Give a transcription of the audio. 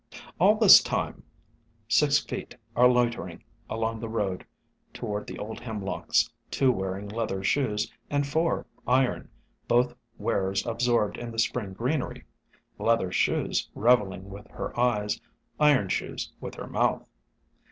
All this time six feet are loitering along the road toward the Old Hemlocks, two wearing leather shoes and four iron, both wearers absorbed in the spring greenery, Leather shoes reveling with her eyes, Iron shoes with her mouth.